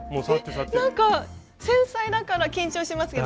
なんか繊細だから緊張しますけど。